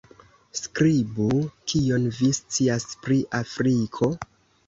Skribu: Kion vi scias pri Afriko?